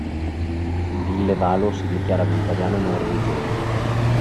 Ville Valo si dichiara vegetariano e non religioso.